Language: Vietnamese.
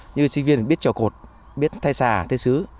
như sinh viên biết trò cột biết thay xà thay xứ